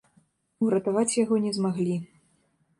Уратаваць яго не змаглі.